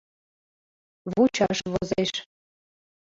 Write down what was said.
Вучаш возеш.